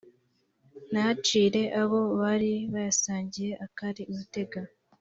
ntacire abo bari bayasangiye akari urutega